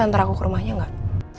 antar aku ke rumahnya gak